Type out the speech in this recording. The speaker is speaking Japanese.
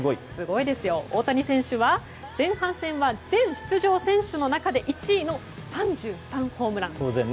大谷選手は前半戦は全出場選手の中で１位の３３ホームラン。